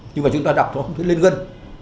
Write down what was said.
nhưng mà chúng ta đọc nó lên gân